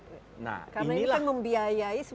karena itu membiayai sebenarnya membiayai coal kan